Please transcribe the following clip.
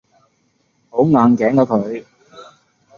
好硬頸㗎佢